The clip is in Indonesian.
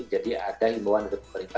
jadi ada himbauan dari pemerintah